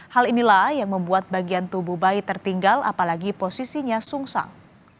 hal inilah yang membuat bagian tubuh bayi tertinggal apalagi posisinya sungsang